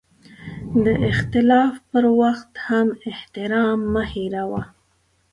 د اختلاف پر وخت هم احترام مه هېروه.